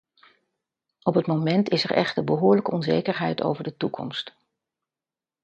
Op het moment is er echter behoorlijke onzekerheid over de toekomst.